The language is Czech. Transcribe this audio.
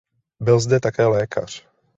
Byl zde také lékař.